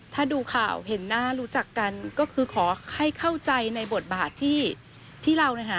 ถ้าดูข่าวเห็นหน้ารู้จักกันก็คือขอให้เข้าใจในบทบาทที่เรานะฮะ